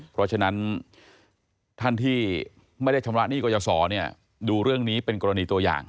เพราะฉะนั้นท่านที่ไม่ได้ชำระหนี้กรยาศรดูเรื่องนี้เป็นกรณีตัวอย่าง